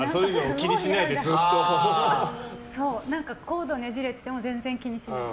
コードがねじれてても全然気にしない。